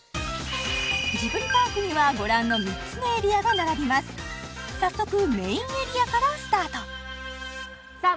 ジブリパークにはご覧の３つのエリアが並びます早速メインエリアからスタートさあ